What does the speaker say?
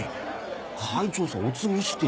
会長さおつぎして。